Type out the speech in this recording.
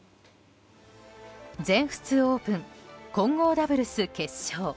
全仏オープン混合ダブルス決勝。